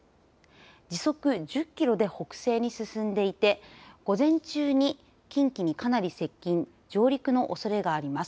時速１０キロで北西に進んでいて午前中に近畿にかなり接近、上陸のおそれがあります。